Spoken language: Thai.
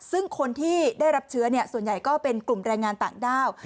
ซึ่งคนที่ได้รับเชื้อส่วนใหญ่ก็เป็นกลุ่มแรงงานต่างด้าว